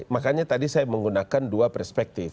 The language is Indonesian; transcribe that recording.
makanya tadi saya menggunakan dua perspektif